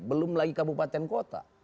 belum lagi kabupaten kota